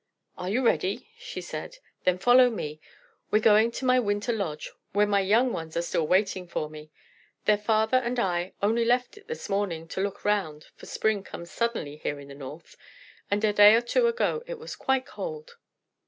"Are you ready?" she said. "Then follow me. We're going to my winter lodge, where my young ones are still waiting for me. Their father and I only left it this morning to look round, for spring comes suddenly here in the north, and a day or two ago it was quite cold.